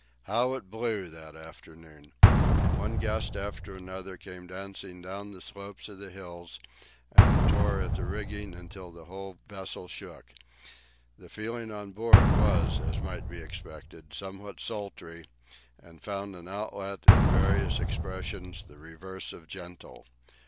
How it blew that afternoon! One gust after another came dancing down the slopes of the hills, and tore at the rigging till the whole vessel shook. The feeling on board was, as might be expected, somewhat sultry, and found an outlet in various expressions the reverse of gentle.